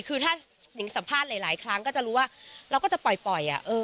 คือถ้านิงสัมภาษณ์หลายครั้งก็จะรู้ว่าเราก็จะปล่อย